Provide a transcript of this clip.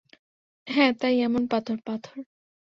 হ্যাঁ, তাই এমন পাথর, - পাথর?